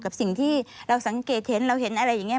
กับสิ่งที่เราสังเกตเห็นเราเห็นอะไรอย่างนี้